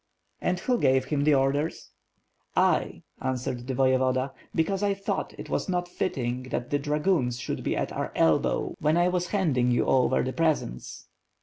"And who gave him the orders?" "I," answered the Voyevoda, "because I thought it was not fitting that the dragoons should be at our elbow when I was handing you over the presents."